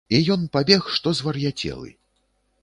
І ён пабег, што звар'яцелы.